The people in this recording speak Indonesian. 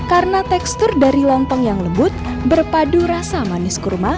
karena tekstur dari lontong yang lebut berpadu rasa manis kurma